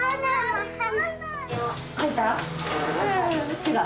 違う？